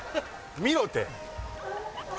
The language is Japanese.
見ろって。